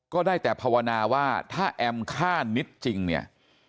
ก็ได้แต่ภาวนาว่าถ้าแอมฆ่านิดจริงเนี่ย